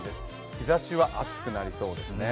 日ざしは暑くなりそうですね。